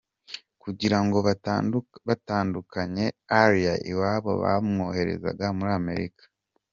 Kugira ngo babatandukanye Allie iwabo bamwohereza muri Amerika.